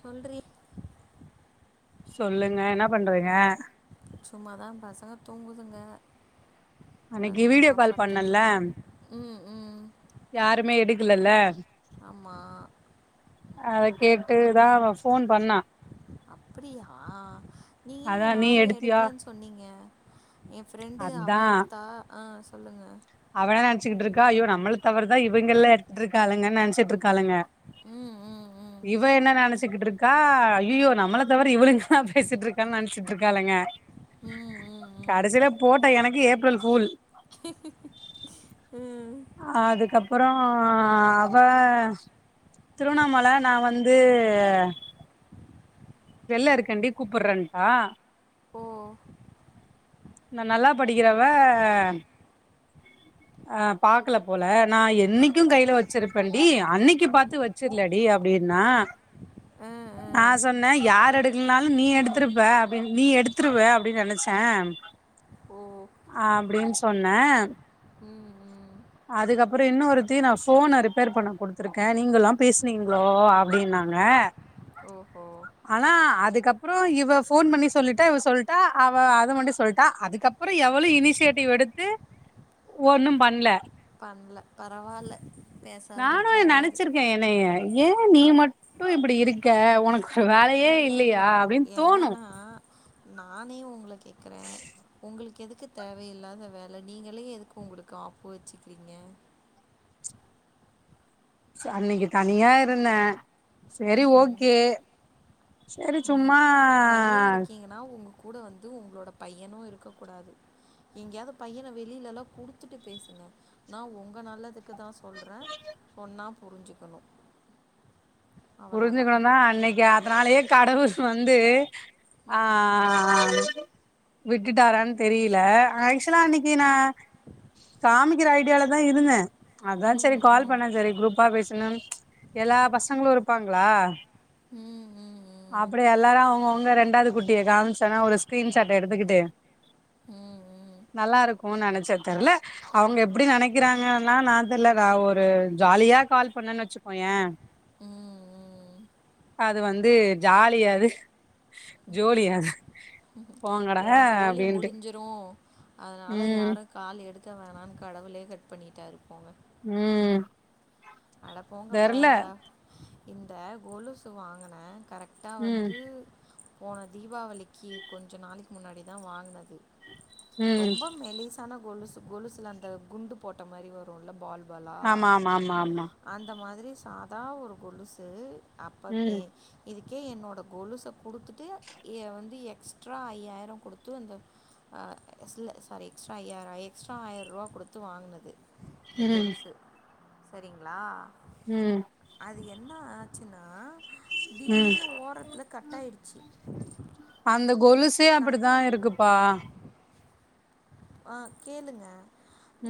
சொல்றி சொல்லுங்க என்ன பண்றிங்க சும்மா தா பசங்க தூங்குதுங்க நா அன்னைக்கு வீடியோ சும்மா கால் பண்ணல பட்த்துட்டுருக்கே ம் ம் யாருமே எடுக்கல இல்ல ஆமா அத கேட்டுதா அவ ஃபோன் பண்ணா அப்டியா நீயே அதா நீ யாரு எடுத்தியா எடுக்கலன்னு சொன்னீங்க எ ஃப்ரெண்டு அவ அதா எடுத்தா ஆ சொல்லுங்க அவளா நனச்சுட்ருக்கா அயோ நம்மள தவிர தா இவங்கல்ல எடுத்துட்டுருக்காளுங்கன்னு நனச்சிட்டுருக்காளுங்க ம் ம் ம் இவ என்ன நனச்சிக்கிட்டு இருக்கா ஐயோ நம்மள தவிர இவளுங்க நா பேசிட்டு இருக்க னு நனச்சிட்டு இருக்காளுங்க ம் ம் ம் கடைசில போட்ட எனக்கு ஏப்ரல் ஃபூல் [unintelligible] ம் அதுக்கப்புறொ அவ திருவண்ணாமல நா வந்து வெள்ள இருக்கண்டி கூப்பறேன்டா ஓ நா நல்லா படிக்கறவ அ பாக்கல போல நா என்னைக்கு கைல வச்சிருப்பேன்ண்டி அன்னைக்கு பாத்து வச் சர்லடி அப்டின்னா ஆ அ நா சொன்னே யாார் எடுக்கலனாலு நீ எடுத்திருப்ப அப்டின் நீ எடுத்துருவ அப்டின் நெனச்சே ஓ அப்டின்னு சொன்னே ம் ம் அதுக்கப்றம் இன்னொருத்த நான் போஃபன ரிப்பேர் பண்ண குடுத்துருக்கேன் நீங்க எல்லாம் பேசனீங்களோ அப்டின்னாங்க ஓஹோ ஆனா அதுக்கப்றம் இவ போன் பண்ணி சொல்லிட்டா இவ சொல்லிட்டா அவ அதது மட்டி சொல்லிட்டா அதுக்கப்புற அப்புற எவளு இனிஷியேட்டிவ் எடுத்து ஒன்னு பண்ல பண்ணல பரவால்ல பேசாத நானு வரைக்கு நல்லது நெனச்சிருக்கே என்னைய ஏ நீ மட்டு இப்டி இருக்க உனக்கு வேலயே இல்லை இல்லை இல்லயா அப்டின்னு தோணு என்னன்னா நானே உங்க கேக்கறே உங்களுக்கு எதுக்கு தேவயில்லாத வேல நீங்களே எதுக்கு உங்களுக்கு ஆப்பு வச்சுக்கறீங்க அன்னிக்கு தனியா இருந்தே சரி ம்ஹும் ஓகே சரி சும்மா ஆனா உங்க கூட வந்து உங்களோட பையனு இருக்க கூடாது எங்கேயாவது பையன வெளிலல்லா குடுத்துட்டு பேசுங்க நா உங்க நல்லது க்கு தா சொல்றே சொன்னா புரிஞ்சுக்கணு புரிஞ்சுக்கணு தா அன்னைக்கு அதனாலயே கடவுர் வந்து ஆ ம் விட்டுட்டாரான்னு தெரில ஆக்சலா அன்னைக்கு நா காமிக்கிற ஐடியால தா இருந்த அதா சரி ம் கால் ம் பண்ணே சரி குரூப்பா பேசணு எல்லா பசங்களு இருப்பாங்ளா ம் ம் ம் அப்படியெ எல்லாரு அவங்கவுங்க ரெண்டாவது குட் டிய காமிசன்னா ஒரு ஸ்கிரீன்ஷாட் எடுத்துக்கிட்டு ம் ம் நல்லாருக்கு நெனச்ச தெர்ல அவங்க எப்டி நெனக்கிறாங்கன்னா நா தெ இல்ல நா ஒரு ஜாலியா கால் பண்ணேன்னு வச்சுக்கோயே ம் ம் அது வந்து ஜாலியாது ஜோலியாது ஓ சோழி முடிஞ்சிரு அதனால ம் யாரு கால் எடுக்க வேணானு கடவுளே கட் பண்ணிட்டாரு போங்க உம் அட போங்கப்பா இந்த கொலுசு வாங்குனே கரெட் ட்டா ம் வந்து போன தீபாவளிக்கு கொஞ்சொ நாளெக்கு முன்னாடி தா வாங்குனது ம் ரொம்ப மெலிசான கொலுசு கொலுசுல அந்த குண்டு போட்ட மாரி வ ருள்ள பால் பாலா ஆமா ஆமா ஆமா அந்த மாதிரி சாதா ஒரு கொலுசு அப்ப ம் இதுக்கே என்னோட கொலுஸ கொடுத்துட்டு வந்து எக்ஸ்ட்ரா ஐயாயிர கொடுத்து அந்த இல்ல சாரி எக்ஸ்ட்ரா ஐயாயிர எக்ஸ்ட்ரா ஆயிர ரூவா கொடுத்து வாங்குனது இந்த ம் கொலுசு சரிங்ளா ம் அது என்ன ஆச்சுன்னா ம் திடீர்னு ஓரத்துல கட் டாய்டுச்சு அந்த கொலுசே அப்படிதா இருக்குப்பா ஆ கேளுங்க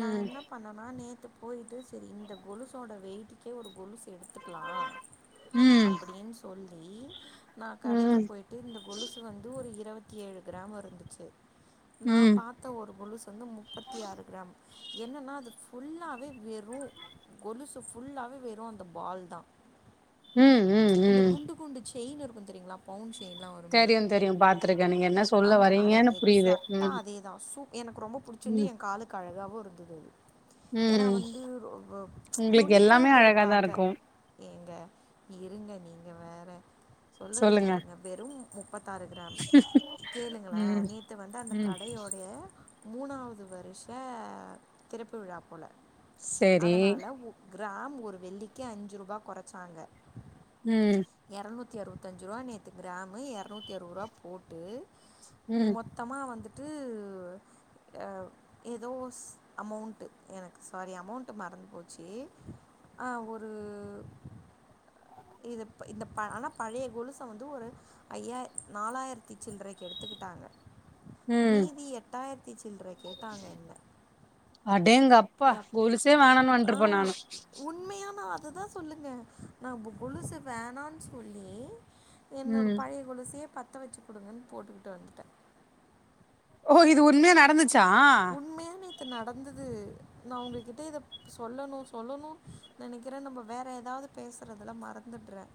நா ம் என்ன பண்ணனா நேத்து போயிட்டு சரி இந்த கொலுசோட வெயிட்டுக்கே ஒரு கொலுசு எடுத்துக்கலா ம் அப்டின்னு சொல்லி நா கடக்கி ம் போயிட் ட்டு இந்த கொலுசு வந்து ஒரு இருபத்தி ஏழு கிராம் இருந்துச்சு நா ம் பாத்த ஒரு கொலுசு வந்து முப்பத்தி ஆறு கிராம் என்னன்னா அது புல்லாவே வெறு கொலுசு ஃபுல்லாவே வெரு அந்த பால் தா உம் ம் ம் இந்த குண்டு குண்டு செயின் இருக்கு தெரியுங்ளா பவுண்ட் செயின்லா தெரியு தெரியு பாத்துருக்கே நீங்க என்ன அ சொல்ல அத வரீங்கன்னு புரியுது எக்ஸ்ஸாட்டா ம் அதேதா எனக்கு ரொம்ப புடிச்சிந்து ம் எ காலுக்கு அழகாவு இருந்தது அது ஏனா ம் வந்து ரொ உங்களுக்கு யுனிக்கா எல்லாமே இருந்தது அழகாதா பாக்க இருக்கு ஏங்க இருங்க நீங்க வேற சொல்றத சொல்லுங்க கேளுங்க வெறு முப்பத்தாறு கிராம் கேளுங்களெ ம் நேத்து வந்து அந்த ம் கடையோட ய மூணாவது வருஷ திறப்பு விழா போல சேரி அதனால கிராம் ஒரு வெள்ளிக்கு அஞ்சு ரூபா கொறச்சாங்க ம் எரநூத்தி அறுபத்தஞ்சு ரூவா நேத்து கிராமு எரநூத்தி அறுவதுருவா போட்டு ம் மொத் த்தமா வந்துட்டு அ ஏதோ அமௌண்ட்டு எனக்கு சாரி அமௌண்ட்டு மறந்து போச்சு ஆ ஒரு இது இப்ப இந்த ஆனா பழைய கொலுச வந்து ஒரு ஐய்யா நாலாயிரத்தி சில்றைக்கு எடுத்துக்கிட்டாங்க ம் மீதி எட்டாயிரத்தி சில்ற கேட்டாங்க என்ன அடேங்கப்பா எப் கொலுசே வேணான் வந்ருப்ப நானு உண்மையா நா அதுதா சொல்லுங்க நம்போ கொலுசு வேணான் சொல்லி என்னோட ம் பழைய கொலுசயே பத்த வச்சு குடுங்கன்னு போட்டுக்கிட்டு வந்துட்ட ஓ இது உண்மையா நடந்துச்சா உண்மையா நேத்து நடந்தது நா உங்கள் கிட்ட இத சொல்லணு சொல்லணு நெனைக்கிற நம்ம வேற எதாவ்து பேசுறதுல மறந்துட்ற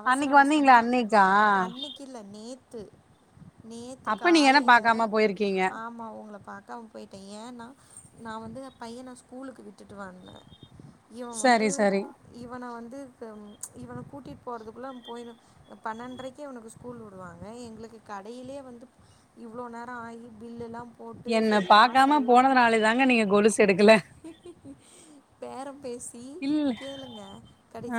அவசர அன்னைக்கு வந்தீங்களா அவசரமா அன்னைக்கா அன்னிக் க்கில நேத்து நேத்து அப்ப நீங்க என்ன காலைய்ல பாக்காம போயிருக்கீங்க ஆமா உங்கள பாக்க போயிட்ட ஏன்னா நா வந்து என் பையன ஸ்கூலுக்கு விட்டுட்டு வந்த இவ சரி வந்து சரி இவன வந்து இவன கூட்டிட் போறதுக்குள்ள போய்ரு பன்னெண்ட்ரைக்கே இவ்னுக்கு ஸ்கூல் விடுவாங்க எங்குளுக்கு கடையிலே வந்து இவ்ளோ நேர ஆகி பில்லுலா போட்டு என்ன சரி பாக்காம காசெல்லா போனதுனாலே தாங்க நீங்க கொலுசு எடுக்கல பேரம் பேசி இல்ல கேளுங்க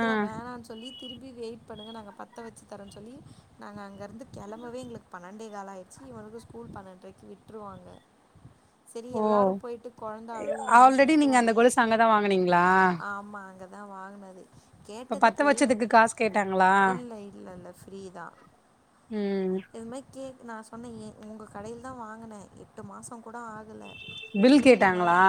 ஆ வேணான் சொல்லி திரும்பி வெயிட் பண்ணுங்க நாங்க பத்த வச்சு தரோன் சொல்லி நாங்க அங்க இருந்து கெளம்பவே எங்ளுக் பன்னெண்டே கால்லாயிச்சு இவனுக்கு ஸ்கூல் பன்னெண்ட்ரைக்கு விட்ருவாங்க [inaudible] செரி எல்லாரு போயிட்டு கொழந்த அழுவமேன் ஆல்ரெடி சொல்லிட்டு நீங்க உங்கள அந்த கொலுசு அங்கதா வாங்குனீங்களா ஆமா அங்க நா வாங்னது இப்ப பத்த கேட்டதுக்கு வச்சதுக்கு காசு கேட்டாங்களா இல்ல இல்ல இல்ல ஃப்ரீ தா ம் வேன்னா கேள் நா சொன்ன ஏ உங்க கடைய்ல தா வாங்குன எட்டு மாசம் கூட ஆகுல பில் இதுக்குள்ள இந்த கேட்டாங்களா மாதிரி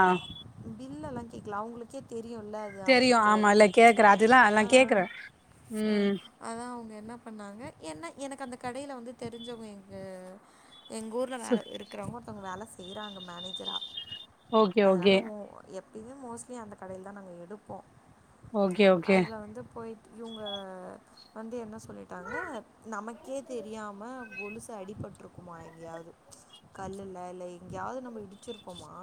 பில்லல்லா கேக்கல அவுங்ளுக்கே தெரியுல தெரியு ஆமா இல்ல கேக்குற அதுல்லா எல்லா கேக்குற ம் அதா அவங்க என்ன பண்ணாங்க என்ன எனக்கு அந்த கடைய்ல வந்து தெரிஞ்சவங்க எங்க எங்க ஊர்ல சு வேல இருக்கிறவங்க ஒருத்தவங்க வேல செய்றாங்க மேனேஜரா ஓகே அதனால ஓகே மோ எப்பயுமே மோஸ்ட்லி அந்த கடைய்ல தா நாங்க எடுப்போ ஓகே ஓகே அதுல வந்து போய்ட் இவுங்க வந்து என்ன சொல்லிட்டாங்க நமக்கே தெரியாம கொலுசு அடிபட்ருக்குமா எங்கேயாவ்து கல்லுல்ல இல்ல எங்கயாவ்து நம்ம இடிச்சிருப்போமா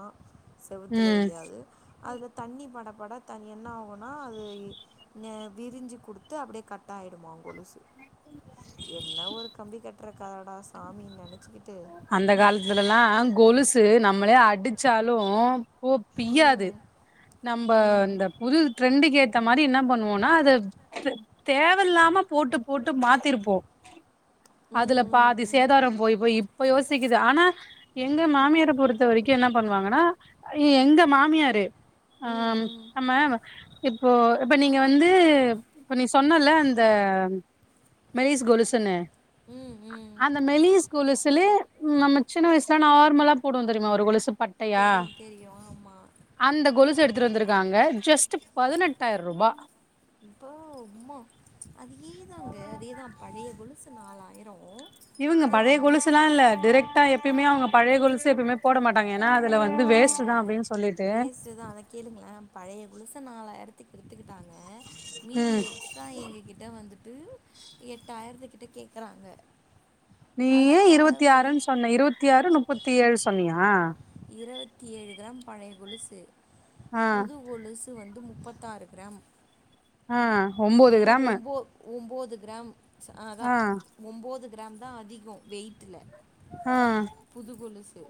செவுத்துல ம் எல்யாவ்து அதில தண்ணி படப்பட தண் என்ன ஆகுனா அது விரிஞ்சு குடுத்து அப்டியே கட் ஆய்டுமா கொலுசு என்ன ஒரு கம்பி கட் ற கதடா சாமி நெனச்சிக்கிட்டு அந்த காலத்துலல்லா கொலுசு நம்மளே அடிச்சாலு போ பிய்யாது ம் நம்போ ம் இந்த புது ட்ரெண்டுக்கு ஏத்த மாரி என்ன பண்ணுவோனா அத தேவல்லாம போட்டு போட்டு மாத்திருப்போ ம் அதுல ம் பாதி ம் சேதாரம் போய் போய் இப்ப யோசிக்குது ஆனா எங்க மாமியார பொறுத்த வரைக்கு என்ன பண்ணுவாங்கன்னா எங்க மாமியாரு ஆம் ம் ம் நம்ம இப்போ இப்ப நீங்க வந்து இப்ப நீ சொன்னல அந்த மெலிஸ் கொலுசுன்னு ம் ம் அந்த மெலிஸ் கொலுஸ் இதுல்யு நம்ம சின்ன வயசுல நார்மலா போடுவோ தெரியுமா ஒரு கொலுசு பட் தெரியோ தெரியோ ஆமா அந்த கொலுசு எடுத்துட்டு வந்திருக்காங்க ஜஸ்ட்டு பதினெட்டாயிருபா இப்போ உம்மா அதே தாங்க அதே தா பழய கொலுசு நாலாயிரோ இவுங்க பழய கொலுசுலா இல்ல டெரக்ட்டா எப்பயுமே அவுங்க பழய கொலுசு எப்பயுமே போட மாட்டாங்க ஏனா அதுல வந்து வேஸ்ட்டு தா அப்டின் சொல்லிட்டு து தா அத கேளுங்களே பழைய கொலுச நாலாயிரத்துக்கு எடுத்துக்கிட்டாங்க மீதி ம் எக்ஸ் ரா எங்க கிட்ட வந்துட்டு எட்டாயிரத்துக்கிட்ட கேக்குறாங்க நீயே இருவத்தி ஆறுன் சொன்ன இருவத்தி ஆறு முப்பத்தி ஏழு சொன்னியா இரவத்தி ஏழு கிராம் பழைய கொலுசு ஆ புது கொலுசு வந்து முப்பத்தாறு கிராம் ஆ ஒம்போது வெறு கிராமு ஒம்போ ஒம்போது கிராம் அதா ஆ ஒம்போது கிராம் தா அதிகோ வெயிட்டுல ஆ புது கொலுசு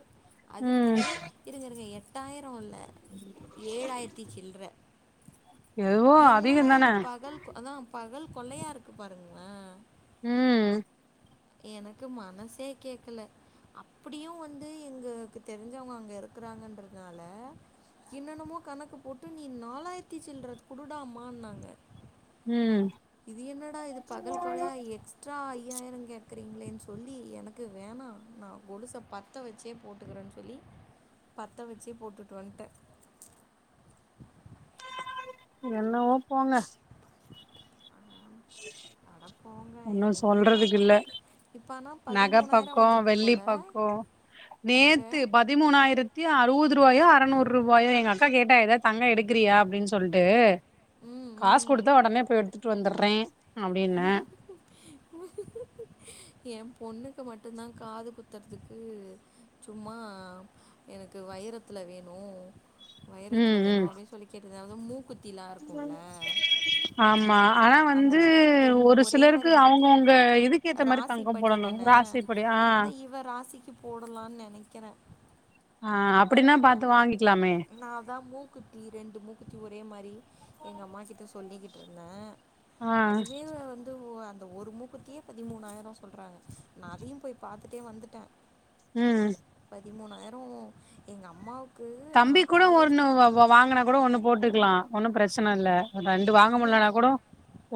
அது ம் இருங்க இருங்க எட்டாயிரோ இல்ல ஏழாயிரத்தி சில்ற எதுவோ என்னடா அதிகந்தான இது பகல் கொ அதா பகல் கொல்லையா இருக்கு பாருங்கள ம் எனக்கு மனசே கேக்கல அப்படியு வந்து எங்களுக்கு தெரிஞ்சவங்க அங்க இருக்கறாங்கன்றதுனால என்னன்னமோ கணக்கு போட்டு நீ நாலாயிரத்தி சில்ற குடுடாமானாங்க ம் இது என்னடா இது பகல் கொலையா எக்ஸ்ட்ரா ஐயாயிர கேக் கிறீங்களேன் சொல்லி எனக்கு வேணா நா கொலுச பத்த வச்சே போட்டுக்கறேன்னு சொல்லி பத்த வெச்சே போட்டுட்டு வந்துட்ட என்னவோ போங்க அட போங்க ஒன்னு இனிமேல் சொல்றதுக்கு நகை இல்ல பக்க இப்போ ஆனால் நக பதிமூணாயிரம் பக்கோ வந்திருக்கு வெள்ளி போல் பக்கோ நகை நேத்து பத் திமூனாயரத்தி அறுவது ரூவாயோ அறநூறு ரூபாயோ எங்க அக்கா கேட்டா எதா தங்க எடுக் கிறியா அப்படின் சொல்ட்டு ம் காஸ் ம் குடுத்தா ஒடனே போய் எடுத்துட்டு வந்துருறே அப்டின்னே யே பொண்ணுக்கு மட்டுந்தா காது குத்தறத்துக்கு சும்மா எனக்கு வைரத்துல வேணு வைரத்துல ம் வேணு ம் அப்டின் சொல்லி கேட்டுது அதா மூக்குத் தில்லா இருக்கும்ல ஆமா ஆனா அந்த வந்து ரெண்டு ஒரு ஒரே மாரி சிலருக்கு மூக்குத்தி அவங்கவுங்க இதுக்கு ஏத்த மாரி ராசி தங்கோ படி போடணு தான ராசிப்படி ஆ அது எ இவ ராசிக்கு போடலான் நினைக்கிற ஆ அப்டின்னா பாத்து வாங்கிக்கலாமே நா அதா மூக்குத்தி ரெண்டு மூக்குத்தி ஒரே மாரி எங்க அம்மாக்கிட்ட சொல்லிக்கிட்டு இருந்தே ஆ அதுவே வந்து அந்த ஒரு முக்கு தியே பதிமூணாயிரோ சொல்றாங்க நா அதையு போய் பாத்துட்டே வந்துட்ட ம் திமூணாயிரோ எங்க அம்மாவுக்கு தம்பிக் நான் கூட காலேஜ் ஒண்ணு போன வாங்குணா கூட ஒண்ணு போட்டுக்கலா ஒன்னு பிரச்சன இல்ல ரெண்டு வாங்க முடிலனா தம்பிக்கு கூடோ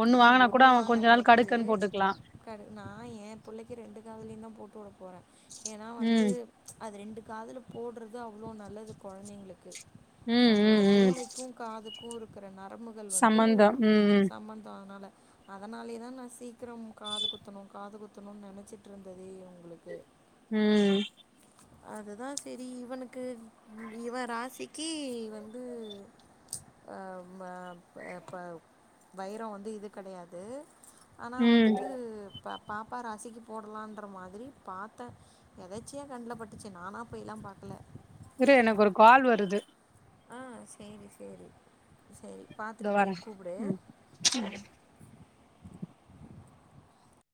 ஒண்ணு ம் வாங்குனா கூட அவ கொஞ்ச நாள் கடுக்கண் போட்டுக்கலா கண் நா ஏ பிள்ளைக்கு ரெண்டு காதுலையு தா போட்டு விட போற ஏனா வந்து ம் அது ரெண்டு காதுல போடுறது அவ்ளோ நல்லது கொழந்தைங்களுக்கு ம் நம்மளோட ம் இந்த ம் மூளைக்கு காதுக்கு இருக்குற நரம்புகள் வந்து சம்மந்தம் ம் சம்மந்த அதனால அதனாலயே தான் நா சீக்கிரம் காது குத்தணும் காது குத்தணும்னு நெனச்சிட்டு இருந்ததே இவங்களுக்கு ம் அது தான் சேரி இவனுக்கு இவன் ராசிக்கி வந்து ஆ மா ப ப்பா வைரம் வந்து இது கெடையாது ஆனா ம் வந்துட்டு பா பாப்பா ராசிக்கு போடலான்ற மாரி பாத்தே எதச்சியா கண்ல பட்டுச்சு நானா போய்லாம் பாக்கல இரு எனக்கு ஒரு கால் வருது ஆ சேரி சேரி சேரி பாத்துட்டு இதோ வரே போய் கூப்புடு ம் ம்